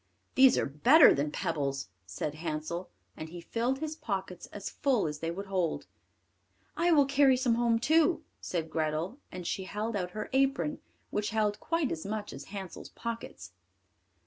"These are better than pebbles," said Hansel; and he filled his pockets as full as they would hold. "I will carry some home too," said Grethel, and she held out her apron, which held quite as much as Hansel's pockets.